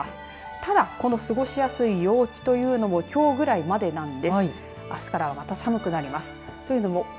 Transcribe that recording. ただ、この過ごしやすい陽気というのも、きょうぐらいまでなんです。